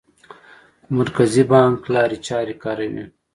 مرکزي بانک لارې چارې کاروي.